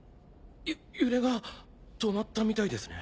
揺れが止まったみたいですね。